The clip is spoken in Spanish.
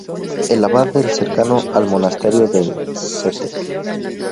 El abad del cercano al monasterio de St.